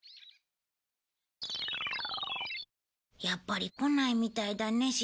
やっぱり来ないみたいだね